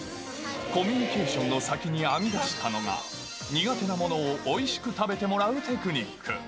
コミュニケーションの先に編み出したのが、苦手なものをおいしく食べてもらうテクニック。